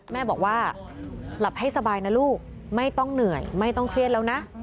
แม่บอกว่าหลับให้สบายนะลูกไม่ต้องเหนื่อยไม่ต้องเครียดแล้วนะ